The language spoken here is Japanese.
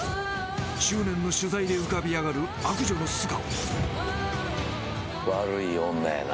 執念の取材で浮かび上がる悪女の素顔。